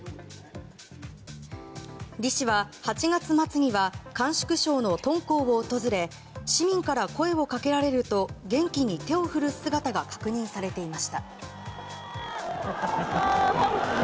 李氏は８月末には甘粛省の敦煌を訪れ市民から声をかけられると元気に手を振る姿が確認されていました。